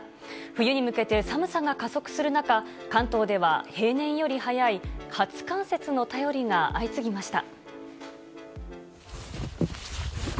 冬に向けて寒さが加速する中、関東では平年より早い初冠雪の便りが相次ぎました。